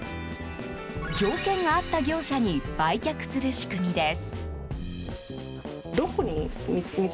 条件が合った業者に売却する仕組みです。